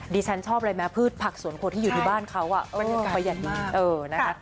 ดิฉันชอบอะไรแม่พืชผักสวนโคตรที่อยู่บ้านเขาประหยัดดีมาก